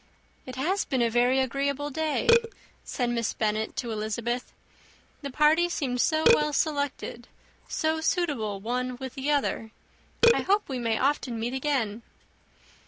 "It has been a very agreeable day," said Miss Bennet to Elizabeth. "The party seemed so well selected, so suitable one with the other. I hope we may often meet again."